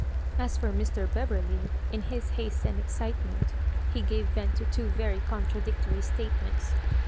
As for Mr. Beverley, in his haste and excite ment he gave vent to two very contradictory statements.